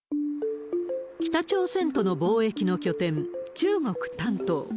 北朝鮮との貿易の拠点、中国・丹東。